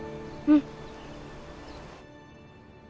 うん。